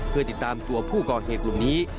เพื่อติดตามตัวผู้ก่อเหตุกลุ่มนี้